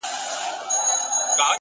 علم د پوهې خزانه ده,